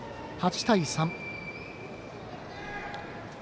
８対３。